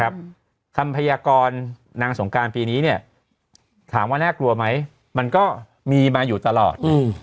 คำพยากรนางสงการปีนี้ถามว่าน่ากลัวไหมมันก็มีมาอยู่ตลอด